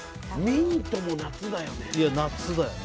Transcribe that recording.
ミントも夏だよね。